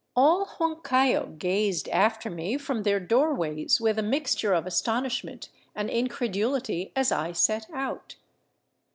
All Huancayo gazed after me from their doorways with a mixture of astonishment and incredulity as I set out.